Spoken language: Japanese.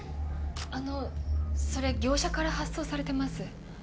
あのそれ業者から発送されてます。